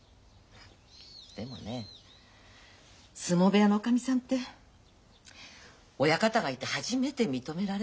でもね相撲部屋のおかみさんって親方がいて初めて認められるのよね。